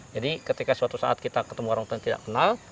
jadi ketika suatu saat kita ketemu orang utan yang tidak kenal